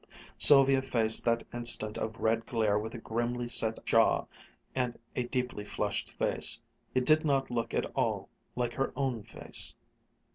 Sylvia faced that instant of red glare with a grimly set jaw and a deeply flushed face. It did not look at all like her own face.